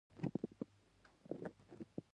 ځای ځای به توپونه ولاړ وو.